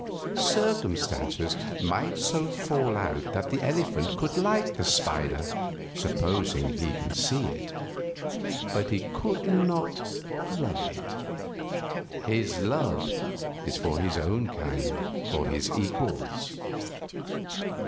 Circumstances might so fall out that the elephant could like the spider supposing he can see it but he could not love it. His love is for his own kind for his equals.